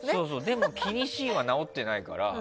でも気にしいは治ってないから。